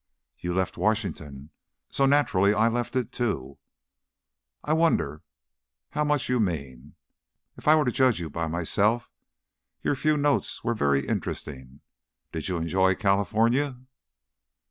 "You left Washington, so, naturally, I left it too." "I wonder, how much you mean? If I were to judge you by myself Your few notes were very interesting. Did you enjoy California?"